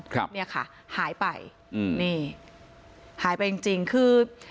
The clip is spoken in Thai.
ครับเนี่ยค่ะหายไปอืมนี่หายไปจริงจริงคือ